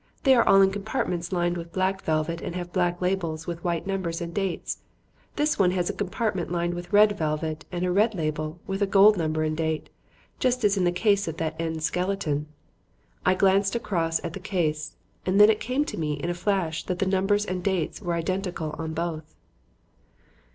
They are all in compartments lined with black velvet and have black labels with white numbers and dates; this one has a compartment lined with red velvet and a red label with a gold number and date, just as in the case of that end skeleton." I glanced across at the case and then it came to me in a flash that the numbers and the dates were identical on both.